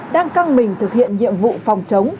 đang căng mình thực hiện nhiệm vụ phòng chống